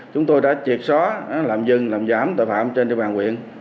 chúng tôi đã triệt só làm dừng làm giảm tội phạm trên địa bàn quyền